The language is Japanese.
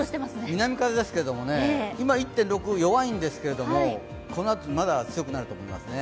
南風ですけど、今、１．６弱いんですけれどもこのあとまだ強くなると思います。